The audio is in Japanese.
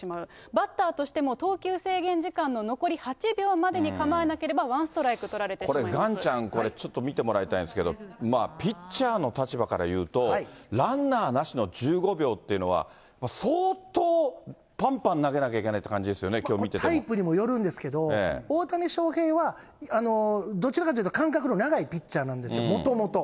バッターとしても、投球制限時間の残り８秒までに構えなければ、ワンストライク取られてしまいま岩ちゃん、これ見てもらいたいんですけど、ピッチャーの立場から言うと、ランナーなしの１５秒というのは、相当ぱんぱん投げなきゃいけないって感じですよね、タイプにもよるんですけど、大谷翔平は、どちらかというと、間隔の長いピッチャーなんですよ、もともと。